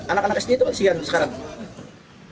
anak anak sd itu kasian sekarang